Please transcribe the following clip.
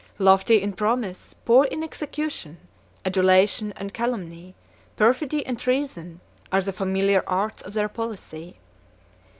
Lofty in promise, poor in execution; adulation and calumny, perfidy and treason, are the familiar arts of their policy."